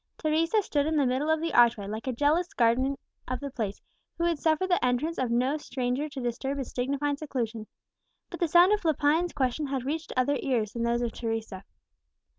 Teresa stood in the middle of the archway like a jealous guardian of the place, who would suffer the entrance of no stranger to disturb its dignified seclusion. But the sound of Lepine's question had reached other ears than those of Teresa.